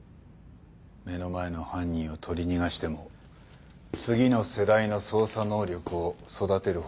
目の前の犯人を取り逃がしても次の世代の捜査能力を育てる方が重要な場合もある。